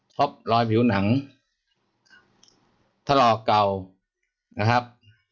พบรอยผิวหนังถลอกเก่านะครับ